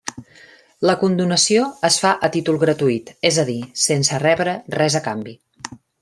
La condonació es fa a títol gratuït, és a dir, sense rebre res a canvi.